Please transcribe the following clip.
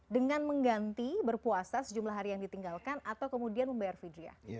dengan mengganti berpuasa sejumlah hari yang ditinggalkan atau kemudian membayar vidya